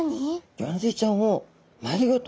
ギョンズイちゃんを丸ごと。